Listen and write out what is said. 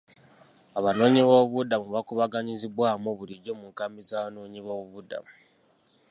Abanoonyiboobubudamu bakungaanyizibwa wamu bulijjo mu nkambi z'abanoonyiboobubudamu.